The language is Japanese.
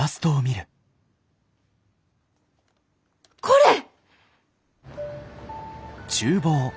これ！